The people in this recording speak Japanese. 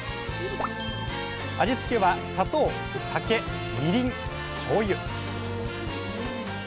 味付けは砂糖酒みりんしょうゆ